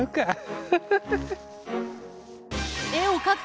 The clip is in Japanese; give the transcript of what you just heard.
フフフフ。